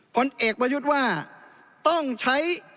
ผลเอกประยุทธ์ว่าต้องใช้